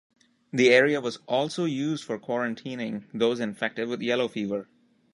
The area was also used for quarantining those infected with yellow fever.